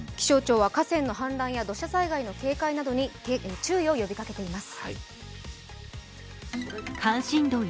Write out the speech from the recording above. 気象庁は河川の氾濫や土砂災害に注意を呼びかけています。